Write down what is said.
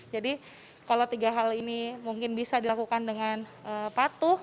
jadi kalau tiga hal ini mungkin bisa dilakukan dengan patuh